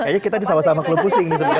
kayaknya kita sama sama klub pusing sebenarnya